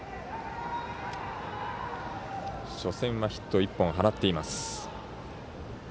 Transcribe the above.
初戦はヒット１本を放っています。